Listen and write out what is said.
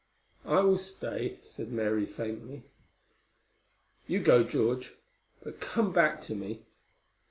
"I will stay," said Mary faintly. "You go, George. But come back to me."